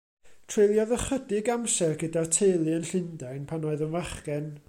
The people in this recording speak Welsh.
Treuliodd ychydig amser gyda'r teulu yn Llundain, pan oedd yn fachgen.